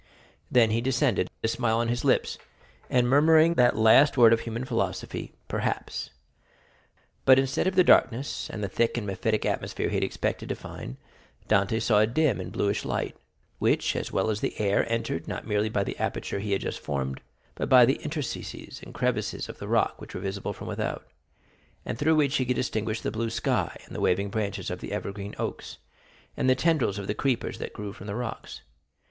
Then he descended, a smile on his lips, and murmuring that last word of human philosophy, "Perhaps!" But instead of the darkness, and the thick and mephitic atmosphere he had expected to find, Dantès saw a dim and bluish light, which, as well as the air, entered, not merely by the aperture he had just formed, but by the interstices and crevices of the rock which were visible from without, and through which he could distinguish the blue sky and the waving branches of the evergreen oaks, and the tendrils of the creepers that grew from the rocks.